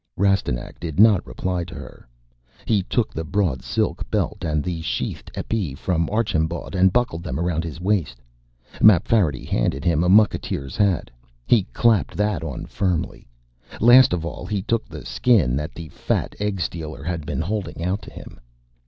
Rastignac did not reply to her. He took the broad silk belt and the sheathed épée from Archambaud and buckled them around his waist. Mapfarity handed him a mucketeer's hat; he clapped that on firmly. Last of all, he took the Skin that the fat egg stealer had been holding out to him.